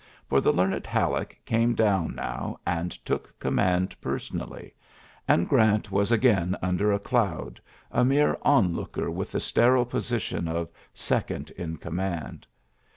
For the learned Halleck came down now, and took command person ally; and Orant was again under a doud, a mere onlooker with the sterile position of second in command.